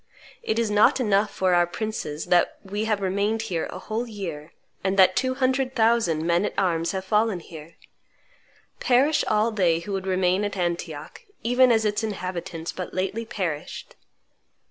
It is not enough for our princes that we have remained here a whole year, and that two hundred thousand men at arms have fallen here! Perish all they who would remain at Antioch, even as its inhabitants but lately perished!"